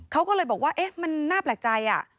เขาก็เลยบอกว่าเอ๊ะมันน่าแปลกใจ